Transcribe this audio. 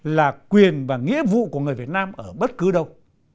là quyền và nghĩa vụ của người việt nam ở bất cứ đâu